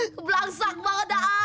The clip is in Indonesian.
keblangsang banget dah